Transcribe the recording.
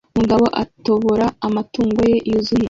Umugabo atobora amatungo ye yuzuye